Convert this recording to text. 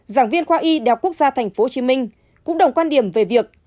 giảng viên khoa y đạo quốc gia tp hcm cũng đồng quan điểm về việc